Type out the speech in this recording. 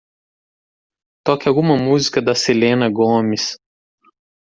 Toque alguma música da Selena Gomez.